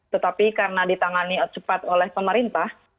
tetapi karena ditangani cepat oleh pemerintah